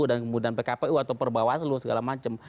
dan kemudian pkpu atau perbawas lu segala macam